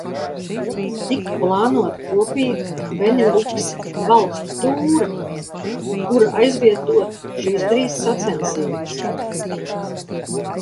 Tika plānota kopīga Beniluksa valstu tūre, kura aizvietotu šīs trīs sacensības.